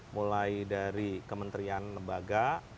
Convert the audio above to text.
mulai dari kementerian lembaga